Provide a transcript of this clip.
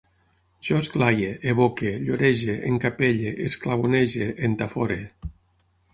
Jo esglaie, evoque, llorege, encapelle, esclavonege, entafore